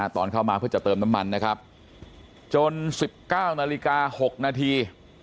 ตอนเข้ามาเพื่อจะเติมน้ำมันนะครับจน๑๙นาฬิกา๖นาที